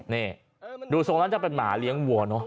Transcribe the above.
นี่ดูทรงนั้นจะเป็นหมาเลี้ยงวัวเนอะ